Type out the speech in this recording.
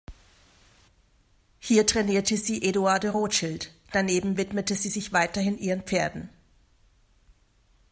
Hier trainierte sie Édouard de Rothschild, daneben widmete sie sich weiterhin ihren Pferden.